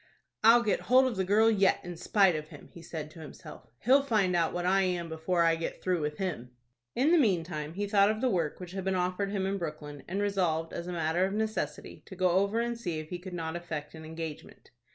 "I'll get hold of the girl yet, in spite of him," he said to himself. "He'll find out what I am before I get through with him." In the mean time, he thought of the work which had been offered him in Brooklyn, and resolved, as a matter of necessity, to go over and see if he could not effect an engagement.